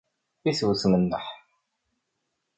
I tewtem nneḥ?